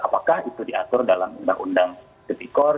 apakah itu diatur dalam undang undang cpi cor